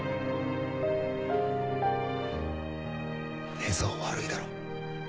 寝相悪いだろ。